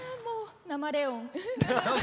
生レオン。